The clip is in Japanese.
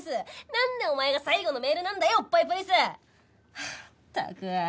なんでお前が最後のメールなんだよおっぱいポリス！はあったく。